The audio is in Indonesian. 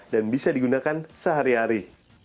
dan bisa digunakan sehari hari